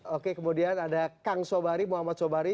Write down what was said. oke kemudian ada kang sobari muhammad sobari